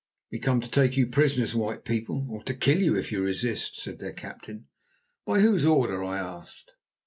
"We come to take you prisoners, white people, or to kill you if you resist," said their captain. "By whose order?" I asked.